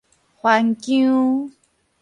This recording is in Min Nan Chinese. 番薑